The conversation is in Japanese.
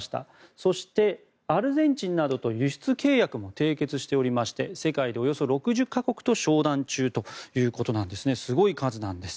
そしてアルゼンチンなどと輸出契約も締結しておりまして世界でおよそ６０か国と商談中とすごい数なんです。